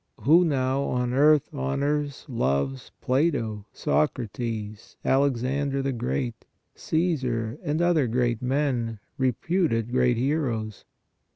Who now, on earth, honors, loves Plato, Socrates, Alexander the Great, Csesar and other great men, reputed great heroes?